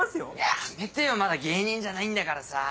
やめてよまだ芸人じゃないんだからさ。